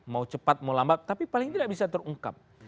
mau cepat mau lambat tapi paling tidak bisa terungkap